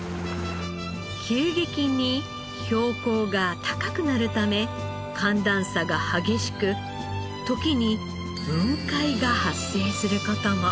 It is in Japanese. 急激に標高が高くなるため寒暖差が激しく時に雲海が発生する事も。